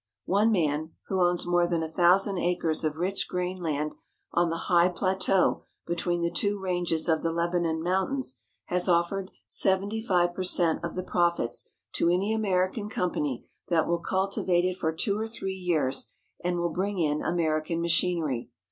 One man, who owns more than a thousand acres of rich grainland on the high plateau between the two ranges of the Lebanon Mountains, has offered 75 per cent, of the profits to any American company that will culti vate it for two or three years, and will bring in American machinery.